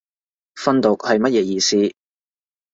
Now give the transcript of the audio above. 訓讀係乜嘢意思